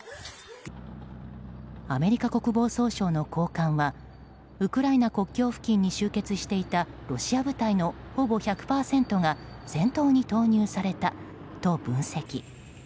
アメリカ国防総省の高官はウクライナ国境付近に集結していたロシア部隊のほぼ１００％が戦闘に投入されたと分析。